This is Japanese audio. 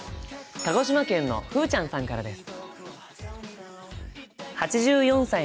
鹿児島県のふうちゃんさんからです。